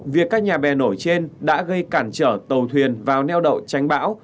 việc các nhà bè nổi trên đã gây cản trở tàu thuyền vào neo đậu tránh bão